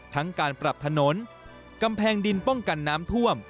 การปรับถนนกำแพงดินป้องกันน้ำท่วม